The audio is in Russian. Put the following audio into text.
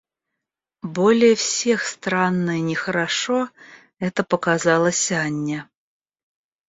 Более всех странно и нехорошо это показалось Анне.